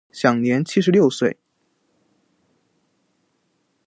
享年七十六岁。